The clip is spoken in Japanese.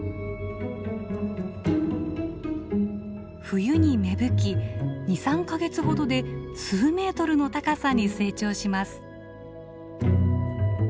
冬に芽吹き２３か月ほどで数メートルの高さに成長します。